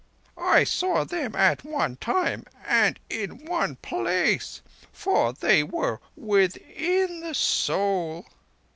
I saw them at one time and in one place; for they were within the Soul.